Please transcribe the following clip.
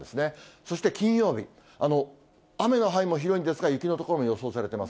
そして金曜日、雨の範囲も広いんですが、雪の所も予想されています。